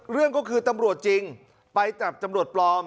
เรื่องก็คือตำรวจจริงไปจับตำรวจปลอม